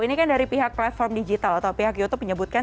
ini kan dari pihak platform digital atau pihak youtube menyebutkan